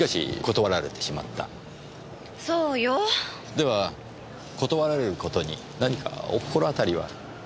では断られることに何かお心当たりは？